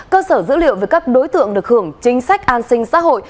cơ sở dữ liệu về các đối tượng được hưởng chính sách an sinh xã hội